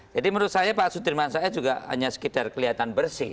jadi menurut saya pak sudirman said juga hanya sekedar kelihatan bersih